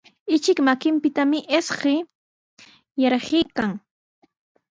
Ichuq makinpitami isquy yarquykan.